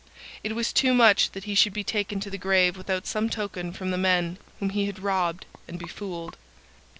It was too much that he should be taken to the grave without some token from the men whom he had robbed and befooled.